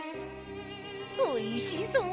おいしそう！